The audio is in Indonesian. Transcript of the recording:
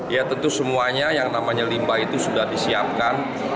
ya tentu semuanya yang namanya limbah itu sudah disiapkan